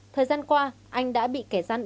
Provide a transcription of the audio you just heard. thời gian qua anh đã bị kẻ gian ưu